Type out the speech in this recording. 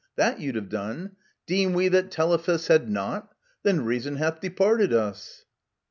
That you'd have done ;" Deem we that Telephus Had not ? then reason hath departed us